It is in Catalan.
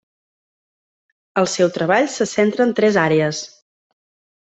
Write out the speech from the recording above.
El seu treball se centra en tres àrees: